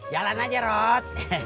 jalan aja rod